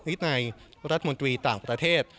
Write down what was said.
ในรัฐมนตรีต่างประเทศ